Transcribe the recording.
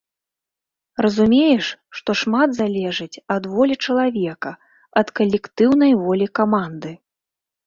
Разумееш, што шмат залежыць ад волі чалавека, ад калектыўнай волі каманды.